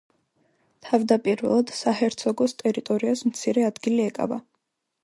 თავდაპირველად, საჰერცოგოს ტერიტორიას მცირე ადგილი ეკავა.